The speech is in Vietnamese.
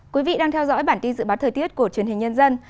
quý vị đang theo dõi bản tin dự báo thời tiết của truyền hình nhân dân